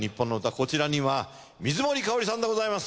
こちらには水森かおりさんでございます。